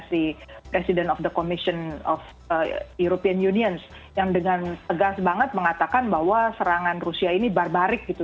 si president of the commission of european unions yang dengan tegas banget mengatakan bahwa serangan rusia ini barbarik gitu